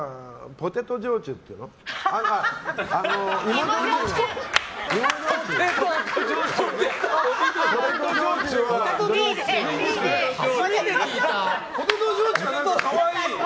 ポテト焼酎は可愛い！